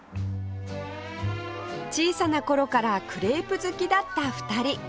小さな頃からクレープ好きだった２人